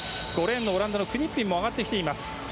オランダのクニッピンも上がってきています。